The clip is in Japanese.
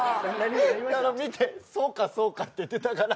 見て「そうかそうか」って言ってたから。